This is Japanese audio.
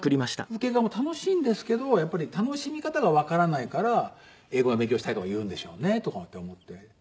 風景画も楽しいんですけどやっぱり楽しみ方がわからないから「英語の勉強したい」とか言うんでしょうねとかって思って。